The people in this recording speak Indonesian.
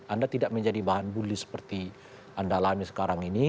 anda tidak menjadi bahan buli seperti anda alami sekarang ini